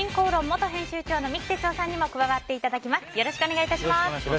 ここからは「婦人公論」元編集長三木哲男さんにも加わっていただきます。